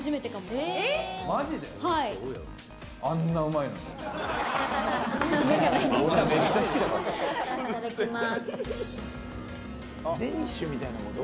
いただきます。